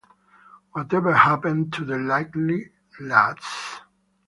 Whatever Happened to the Likely Lads?